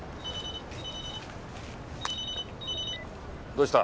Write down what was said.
どうした？